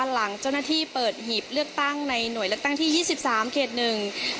หลังเจ้าหน้าที่เปิดหีบเลือกตั้งในหน่วยเลือกตั้งที่